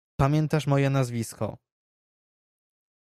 "pamiętasz moje nazwisko!"